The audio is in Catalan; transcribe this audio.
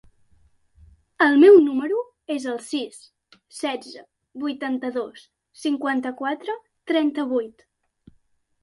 El meu número es el sis, setze, vuitanta-dos, cinquanta-quatre, trenta-vuit.